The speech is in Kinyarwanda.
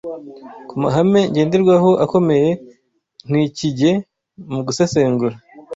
ku mahame ngenderwaho akomeye ntikijye mu gusesengura